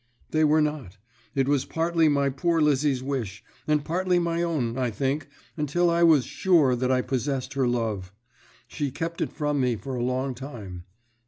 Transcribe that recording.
"They were not. It was partly my poor Lizzie's wish, and partly my own, I think, until I was sure that I possessed her love. She kept it from me for a long time.